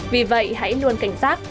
vì vậy hãy luôn cảnh giác